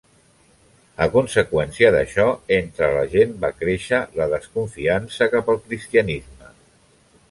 A conseqüència d'això, entre la gent va créixer la desconfiança cap al Cristianisme.